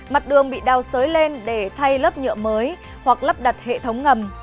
mặt đường bị đào sới lên để thay lớp nhựa mới hoặc lắp đặt hệ thống ngầm